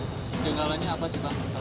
kejanggalannya apa sih pak